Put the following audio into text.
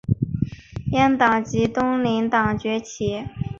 阉党及东林党崛起。